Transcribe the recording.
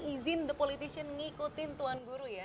izin the politician ngikutin tuan guru ya